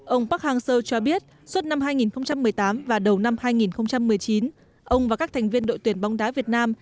ông park hang seo cho biết suốt năm hai nghìn một mươi tám và đầu năm hai nghìn một mươi chín ông và các thành viên đội tuyển bóng đá việt nam